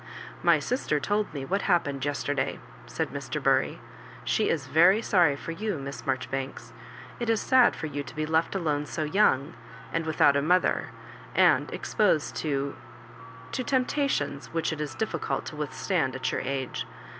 " My sister told me what happened yesterday," said Mr. Bury. " She is very sorry for you, Miss Marjoribanks. It is sad for you to be left alone so young, and without a mother, and exposed to — to temptations which it is difficult to with stand at your age.